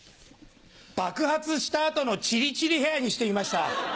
爆発した後のチリチリヘアにしてみました。